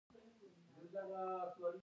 ملغلره چاته کوژدن شوه؟